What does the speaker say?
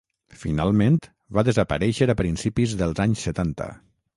Finalment, va desaparèixer a principis dels anys setanta.